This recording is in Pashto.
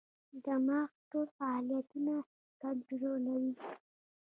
دماغ ټول فعالیتونه کنټرولوي.